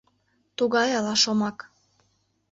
Тугай ала шомак.